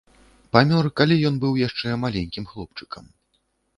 Памёр, калі ён быў яшчэ маленькім хлопчыкам.